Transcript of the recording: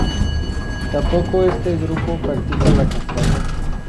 Tampoco este grupo practica la castración.